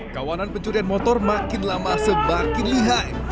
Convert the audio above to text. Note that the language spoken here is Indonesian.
kawanan pencurian motor makin lama semakin lihai